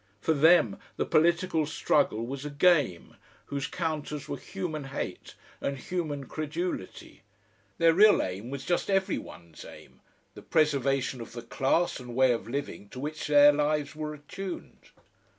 For them the political struggle was a game, whose counters were human hate and human credulity; their real aim was just every one's aim, the preservation of the class and way of living to which their lives were attuned.